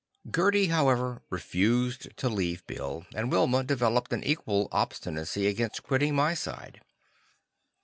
Gerdi, however, refused to leave Bill, and Wilma developed an equal obstinacy against quitting my side.